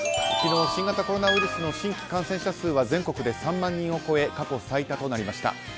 昨日、新型コロナウイルスの新規感染者数は全国で３万人を超え過去最多となりました。